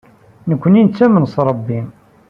Nekkni nettamen s Ṛebbi.